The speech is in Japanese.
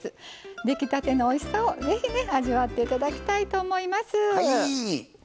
出来たてのお料理をぜひ味わっていただきたいと思います。